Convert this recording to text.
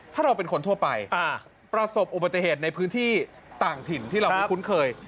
ถ้าเราเป็นคนทั่วไปประสบอุบัติเหตุในพื้นที่ต่างถิ่นที่เราไม่คุ้นเคย